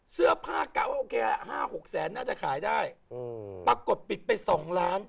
เสื้อผ้ากะว่าโอเคละ๕๖แสนน่าจะขายได้ปรากฏปิดไป๒ล้าน